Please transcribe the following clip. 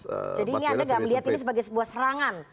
jadi ngadeng gak melihat ini sebagai sebuah serangan